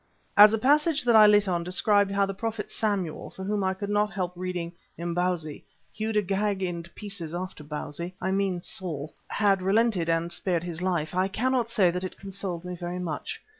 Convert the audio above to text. As a passage that I lit on described how the prophet Samuel for whom I could not help reading "Imbozwi," hewed Agag in pieces after Bausi I mean Saul had relented and spared his life, I cannot say that it consoled me very much.